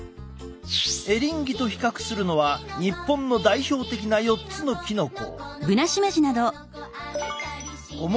エリンギと比較するのは日本の代表的な４つのキノコ。